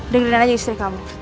dengerin aja istri kamu